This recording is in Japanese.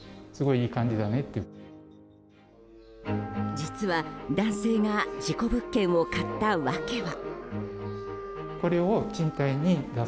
実は、男性が事故物件を買った訳は。